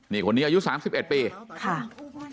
นี่คนนี้อายุ๓๑ปีค่ะ